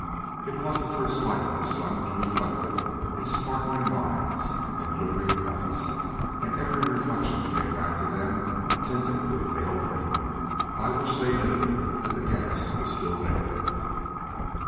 It caught the first light of the sun to reflect it in sparkling lines and glittering points, and every reflection came back to them tinged with pale green, by which they knew that the gas was still there.